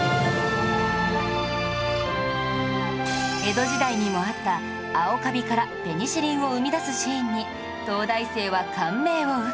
江戸時代にもあった青カビからペニシリンを生み出すシーンに東大生は感銘を受け